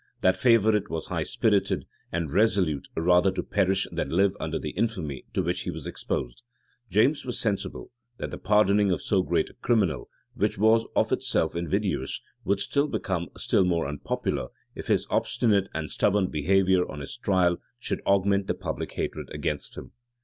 That favorite was high spirited, and resolute rather to perish than live under the infamy to which he was exposed. James was sensible, that the pardoning of so great a criminal, which was of itself invidious, would become still more unpopular, if his obstinate and stubborn behavior on his trial should augment the public hatred against him.